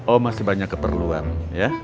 oh masih banyak keperluan ya